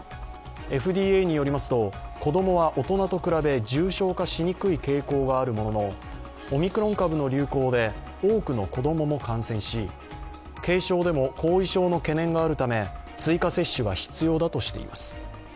ＦＤＡによりますと子供は大人と比べ重症化しにくい傾向があるものの、オミクロン株の流行で多くの子供も感染し、軽症でも後遺症の懸念があるため追加接種が必要だとしています。